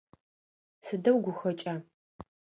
Сыдэу гухэкӀа!